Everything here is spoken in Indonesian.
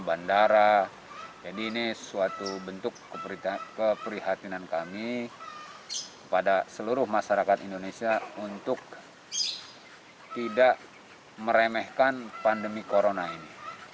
bandara jadi ini suatu bentuk keprihatinan kami kepada seluruh masyarakat indonesia untuk tidak meremehkan pandemi corona ini